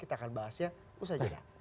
kita akan bahasnya usai jeda